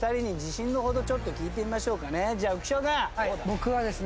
僕はですね